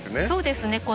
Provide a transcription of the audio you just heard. そうですね。